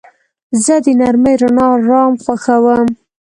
زه د نرمې رڼا آرام خوښوم.